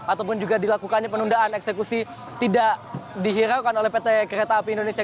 ataupun juga dilakukannya penundaan eksekusi tidak dihiraukan oleh pt kereta api indonesia